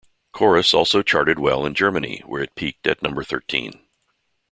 "Chorus" also charted well in Germany, where it peaked at number thirteen.